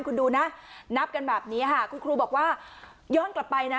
คุณดูนะนับกันแบบนี้ค่ะคุณครูบอกว่าย้อนกลับไปนะ